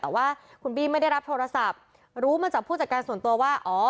แต่ว่าคุณบี้ไม่ได้รับโทรศัพท์รู้มาจากผู้จัดการส่วนตัวว่าอ๋อ